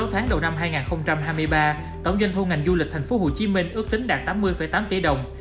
sáu tháng đầu năm hai nghìn hai mươi ba tổng doanh thu ngành du lịch tp hcm ước tính đạt tám mươi tám tỷ đồng